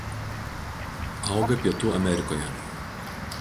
Auga Pietų Amerikoje.